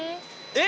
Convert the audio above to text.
え？